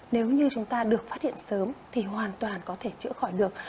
nếu như chúng ta được phát hiện sớm thì hoàn toàn có thể chữa khỏi được